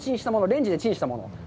レンジでチンしたもの。